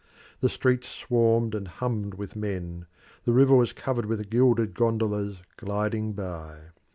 The streets swarmed and hummed with men; the river was covered with gilded gondolas gliding by.